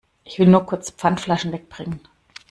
Ich will nur kurz Pfandflaschen wegbringen.